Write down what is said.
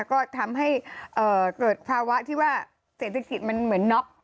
ก็ทำให้เกิดภาวะที่ว่าเศรษฐกิจมันเหมือนน็อก